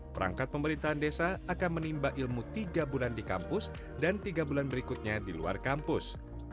perangkat pemerintahan desa akan menimba ilmu tiga bulan di kampus dan tiga bulan berikutnya di luar kampus